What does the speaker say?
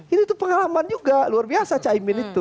ini tuh pengalaman juga luar biasa caimin itu